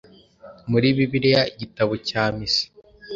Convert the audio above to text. muri Bibiliya, Igitabo cya Misa,